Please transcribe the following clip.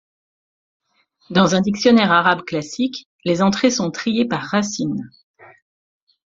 Dans un dictionnaire arabe classique, les entrées sont triées par racines.